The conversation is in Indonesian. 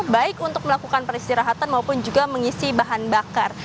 baik untuk melakukan peristirahatan maupun juga mengisi bahan bakar